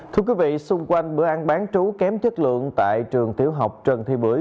thưa quý vị xung quanh bữa ăn bán trú kém chất lượng tại trường tiểu học trần thi bưởi